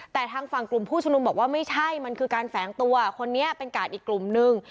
แต่ทางฝั่งกลุ่มผู้ชุมนุมบอกว่าไม่ใช่มันคือการแฝงตัวคนนี้เป็นกาดอีกกลุ่มนึง